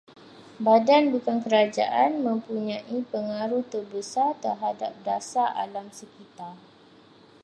Badan bukan kerajaan mempunyai pengaruh terbesar terhadap dasar alam sekitar